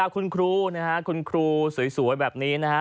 คุณครูนะฮะคุณครูสวยแบบนี้นะฮะ